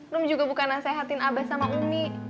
num juga bukan nasehatin abah sama umi